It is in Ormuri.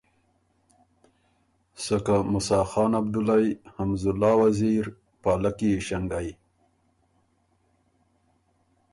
سکه موسیٰ خان عبدلایٛ، حمزوالله وزیر، پالکی ایݭنګئ،